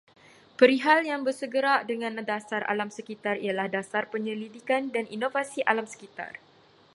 Perihal yang bersegerak dengan dasar alam sekitar ialah dasar penyelidikan dan inovasi alam sekitar